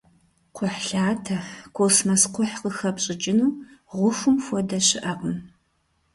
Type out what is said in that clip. Кхъухьлъатэ, космос кхъухь къыхэпщӀыкӀыну гъухум хуэдэ щыӀэкъым.